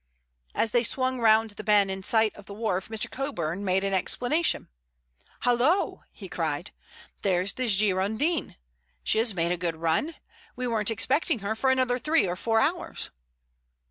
As they swung round the bend in sight of the wharf Mr. Coburn made an exclamation. "Hallo!" he cried. "There's the Girondin. She has made a good run. We weren't expecting her for another three or four hours."